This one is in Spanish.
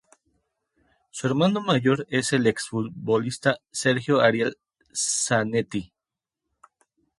Su hermano mayor es el ex futbolista Sergio Ariel Zanetti.